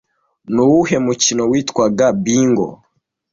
Nuwuhe mukino witwaga Bingo